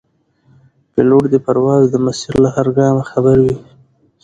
پیلوټ د پرواز د مسیر له هر ګامه خبر وي.